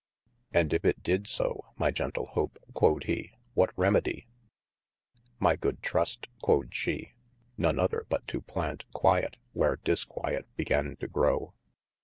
And if it dyd so my gentle Hope (quod he) what remedy ? My good Trust (quod she) none other but to plant quiet where disquiet began to grow.